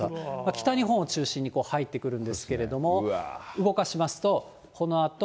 北日本を中心に入ってくるんですけれども、動かしますと、このあと。